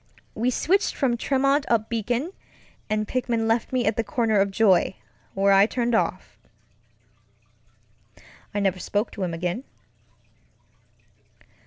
We switched from Tremont up Beacon, and Pickman left me at the corner of Joy, where I turned off. I never spoke to him again.